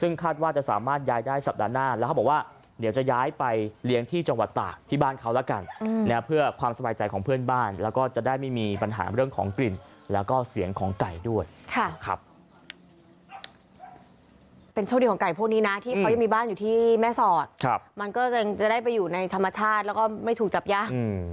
เป็นโชว์ดีของไก่พวกนี้นะที่เขายังมีบ้านอยู่ที่แม่สอดมันก็จะได้ไปอยู่ในธรรมชาติแล้วก็ไม่ถูกจับยา